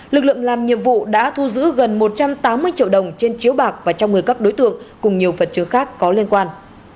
lực lượng làm nhiệm vụ đã thu giữ gần một trăm tám mươi triệu đồng trên chiếu bạc và trong người các đối tượng cùng nhiều vật chứa khác có liên quan